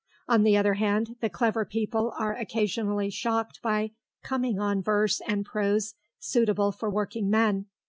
On the other hand, the clever people are occasionally shocked by coming on verse and prose suitable for working men.